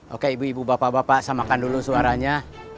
oke ibu ibu bapak bapak samakan dulu suaranya